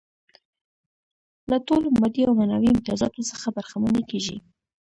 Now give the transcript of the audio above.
له ټولو مادي او معنوي امتیازاتو څخه برخمنې کيږي.